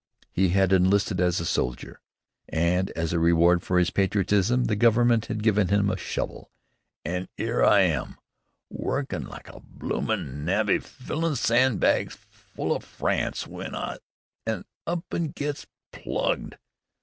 He had enlisted as a soldier, and as a reward for his patriotism the Government had given him a shovel, "an' 'ere I am, workin' like a bloomin' navvy, fillin' sandbags full o' France, w'en I up an' gets plugged!"